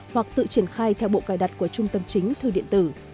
hoặc tự triển khai theo bộ cài đặt của trung tâm chính thư điện tử